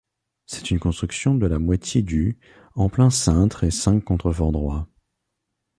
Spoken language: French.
C'est une construction de la moitié du en plein cintre et cinq contreforts droits.